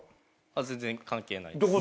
全然関係ないです。